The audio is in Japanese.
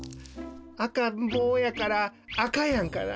赤んぼうやからあかやんかな。